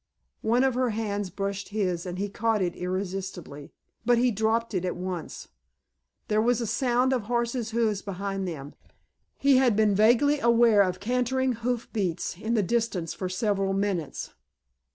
One of her hands brushed his and he caught it irresistibly. But he dropped it at once. There was a sound of horses' hoofs behind them. He had been vaguely aware of cantering hoof beats in the distance for several minutes.